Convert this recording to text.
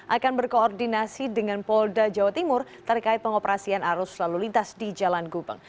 akan berkoordinasi dengan polda jawa timur terkait pengoperasian arus lalu lintas di jalan gubeng